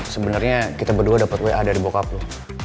sebenernya kita berdua dapet wa dari bokap lo